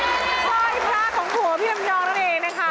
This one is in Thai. ค่อยพระของผัวพี่ลำยองนั่นเองนะคะ